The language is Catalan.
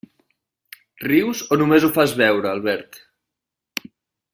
Rius o només ho fas veure, Albert?